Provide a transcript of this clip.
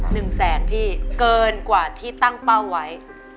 หนึ่งแสนพี่เกินกว่าที่ตั้งเป้าไว้